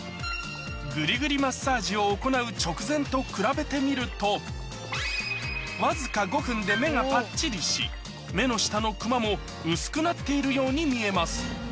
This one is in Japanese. グリグリマッサージを行う直前と比べてみるとわずか５分で目がぱっちりし目の下のクマも薄くなっているように見えます